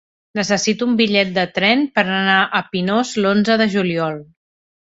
Necessito un bitllet de tren per anar a Pinós l'onze de juliol.